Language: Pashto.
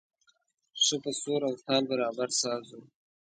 ښه په سور او تال برابر ساز و.